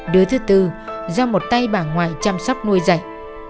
đứa thứ tư do một tay bà ngoại chăm sóc nuôi dạy